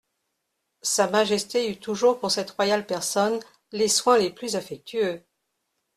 Sa Majesté eut toujours pour cette royale personne les soins les plus affectueux.